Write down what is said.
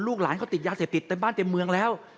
หลานเขาติดยาเสพติดเต็มบ้านเต็มเมืองแล้ว